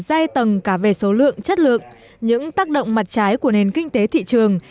giai tầng cả về số lượng chất lượng những tác động mặt trái của nền kinh tế thị trường